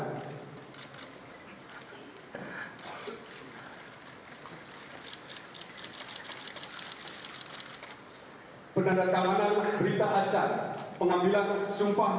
kepada marshal tengi j n e disilahkan menuju meja penanda tangan